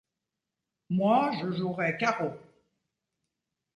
Moi, je jouerais carreau…